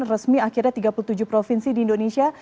resmi akhirnya tiga puluh tujuh provinsi di indonesia